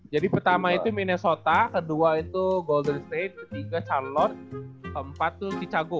jadi pertama itu minnesota kedua itu golden state ketiga charlotte keempat tuh chicago